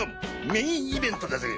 メインイベントだぜ！